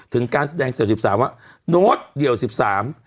การแสดงเสร็จสิบสามว่าโน้ตเดี่ยวสิบสาม